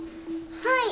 はい。